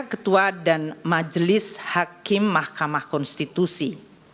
ketua dan majelis hakim mahkamah konstitusi